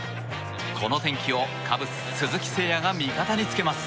この天気をカブス、鈴木誠也が味方につけます。